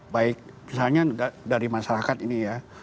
baik misalnya dari masyarakat ini ya